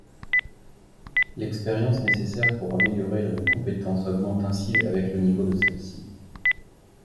L’expérience nécessaire pour améliorer une compétence augmente ainsi avec le niveau de celle-ci.